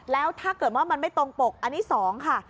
แล้วถ้าเกิดว่ามันไม่ตรงปกอันนี้๒ค่ะ